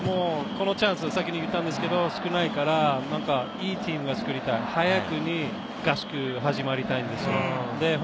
やっぱりこのチャンスを、さっきも言ったんですけれども、少ないからいいチームが作りたい、早くに合宿、始めたいんですよ。